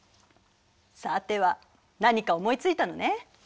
さては何か思いついたのね？